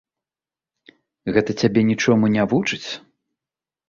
Гэта цябе нічому не вучыць?